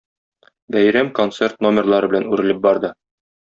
Бәйрәм концерт номерлары белән үрелеп барды.